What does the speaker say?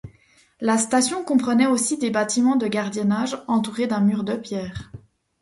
La station comprenait aussi des bâtiments de gardiennage entourée d'un mur de pierre.